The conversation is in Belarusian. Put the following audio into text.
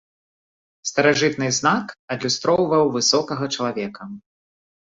Старажытны знак адлюстроўваў высокага чалавека.